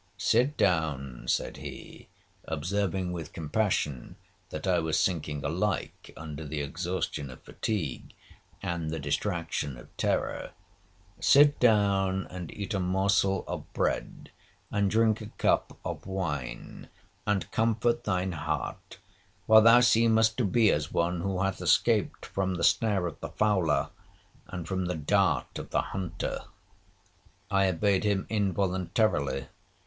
'Sit down,' said he, observing with compassion that I was sinking alike under the exhaustion of fatigue and the distraction of terror; 'sit down, and eat a morsel of bread, and drink a cup of wine, and comfort thine heart, for thou seemest to be as one who hath escaped from the snare of the fowler, and from the dart of the hunter.' I obeyed him involuntarily.